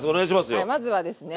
はいまずはですね